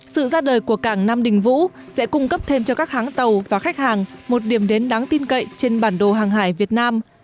sự ra đời của cảng nam đình vũ sẽ cung cấp thêm cho các hãng tàu và khách hàng một điểm đến đáng tin cậy trên bản đồ hàng hải việt nam